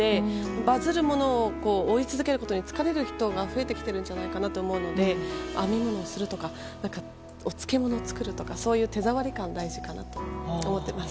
バズるものを追い続けることに疲れている人が増えてきているんじゃないかなと思うので編み物をするとかお漬物を作るとかそういう手触り感大事かなと思ってます。